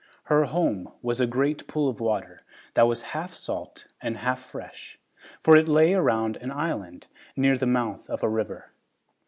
Her home was a great pool of water that was half salt and half fresh, for it lay around an island near the mouth of a river.